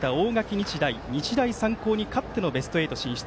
日大、日大三高に勝ってのベスト８進出。